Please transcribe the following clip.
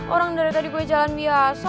orang dari tadi gue jalan biasa